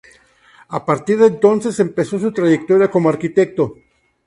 A partir de entonces empezó su trayectoria como arquitecto.